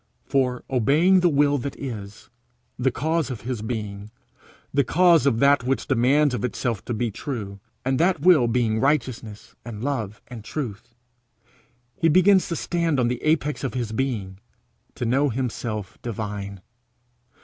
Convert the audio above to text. For, obeying the will that is the cause of his being, the cause of that which demands of itself to be true, and that will being righteousness and love and truth, he begins to stand on the apex of his being, to know himself divine.